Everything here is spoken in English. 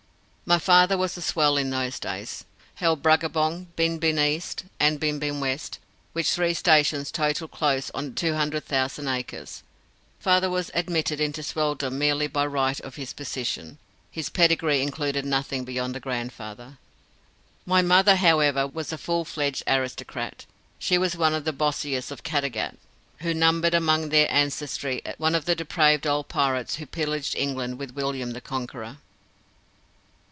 My father was a swell in those days held Bruggabrong, Bin Bin East, and Bin Bin West, which three stations totalled close on 200,000 acres. Father was admitted into swelldom merely by right of his position. His pedigree included nothing beyond a grandfather. My mother, however, was a full fledged aristocrat. She was one of the Bossiers of Caddagat, who numbered among their ancestry one of the depraved old pirates who pillaged England with William the Conqueror.